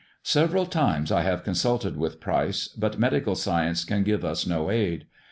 " Several times I have consulted with Pryce, but medical science can give us no aid.